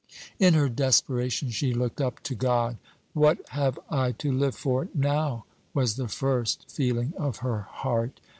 In her desperation she looked up to God. "What have I to live for now?" was the first feeling of her heart.